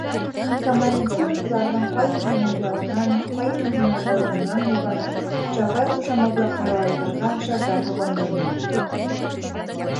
- Камалетдинов уларҙың ҡайһыһының ялынан, ҡайһыһының морононан һыйпаны, «Чапай» ҡушаматлы ҡара айғырға шәкәр һоғондорҙо.